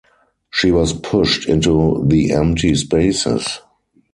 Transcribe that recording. She was pushed into the empty spaces.